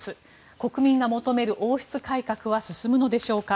国民が求める王室改革は進むのでしょうか？